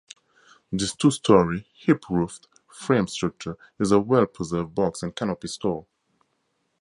This two-story, hip-roofed, frame structure is a well-preserved box-and-canopy store.